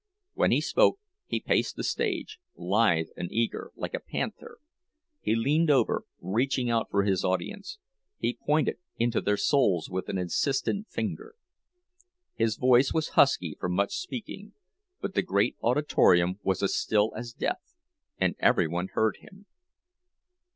When he spoke he paced the stage, lithe and eager, like a panther. He leaned over, reaching out for his audience; he pointed into their souls with an insistent finger. His voice was husky from much speaking, but the great auditorium was as still as death, and every one heard him.